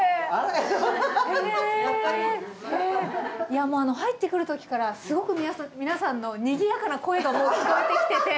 いやもう入ってくる時からすごく皆さんのにぎやかな声がもう聞こえてきてて。